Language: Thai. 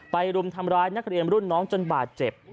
รุมทำร้ายนักเรียนรุ่นน้องจนบาดเจ็บ